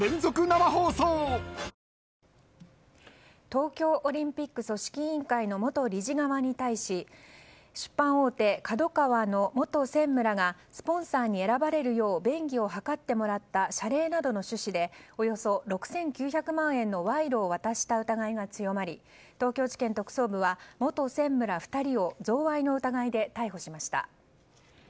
東京オリンピック組織委員会の元理事側に対し出版大手ＫＡＤＯＫＡＷＡの元専務らがスポンサーに選ばれるよう便宜を図ってもらった謝礼などの趣旨でおよそ６９００万円の賄賂を渡した疑いが強まり東京地検特捜部は元専務ら２人を贈賄の疑いで逮捕しました。